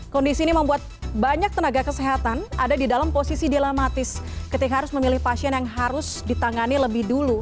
kondisi ini membuat banyak tenaga kesehatan ada di dalam posisi dilematis ketika harus memilih pasien yang harus ditangani lebih dulu